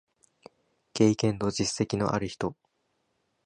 経験と実績のある人